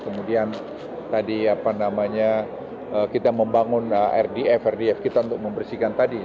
kemudian tadi kita membangun rdf untuk membersihkan tadi